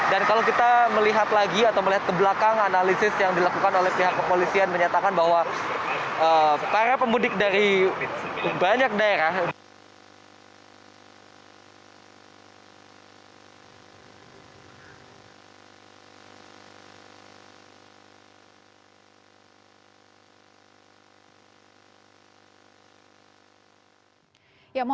dan kalau kita melihat lagi atau melihat ke belakang analisis yang dilakukan oleh pihak kepolisian menyatakan bahwa para pemudik dari banyak daerah